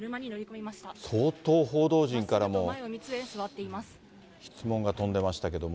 相当、報道陣からも質問が飛んでましたけども。